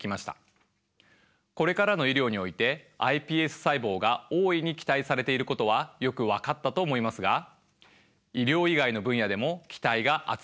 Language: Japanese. これからの医療においてｉＰＳ細胞が大いに期待されていることはよく分かったと思いますが医療以外の分野でも期待が集まっているんです。